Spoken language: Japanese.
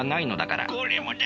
これもだ！